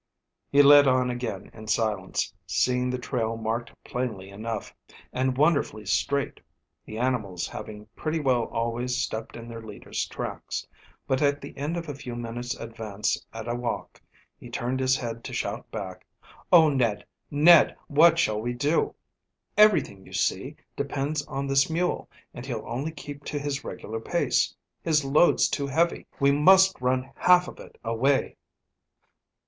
He led on again in silence, seeing the trail marked plainly enough, and wonderfully straight, the animals having pretty well always stepped in their leader's tracks. But at the end of a few minutes' advance at a walk he turned his head to shout back "Oh, Ned, Ned, what shall we do? Everything, you see, depends on this mule, and he'll only keep to his regular pace. His load's too heavy. We must run half of it away."